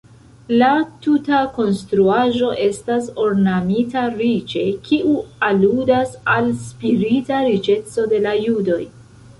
La tuta konstruaĵo estas ornamita riĉe, kiu aludas al spirita riĉeco de la judoj.